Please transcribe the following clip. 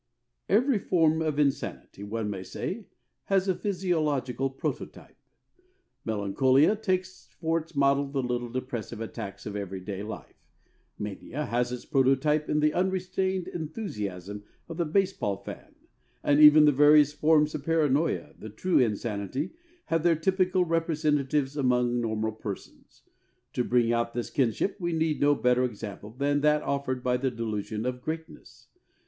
Every form of insanity, one may say, has a physiological prototype. Melancholia takes for its model the little depressive attacks of everyday life; mania has its prototype in the unrestrained enthusiasm of the baseball "fan"; and even the various forms of paranoia, the true insanity, have their typical representatives among normal persons. To bring out this kinship we need no better example than that offered by the delusion of greatness.